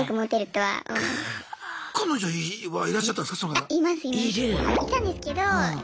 はい。